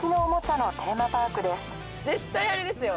絶対あれですよ